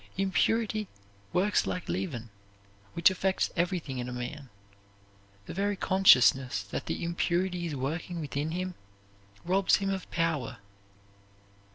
Impurity works like leaven, which affects everything in a man. The very consciousness that the impurity is working within him robs him of power.